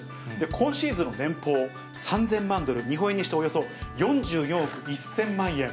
今シーズンの年俸３０００万ドル、日本円にしておよそ４４億１０００万円。